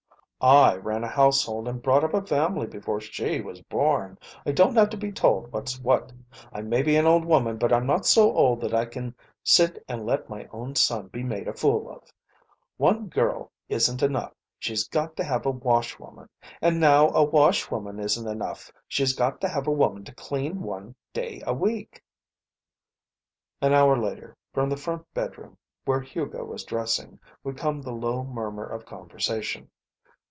"I ran a household and brought up a family before she was born. I don't have to be told what's what. I may be an old woman but I'm not so old that I can sit and let my own son be made a fool of. One girl isn't enough, she's got to have a wash woman. And now a wash woman isn't enough she's got to have a woman to clean one day a week." An hour later, from the front bedroom, where Hugo was dressing, would come the low murmur of conversation.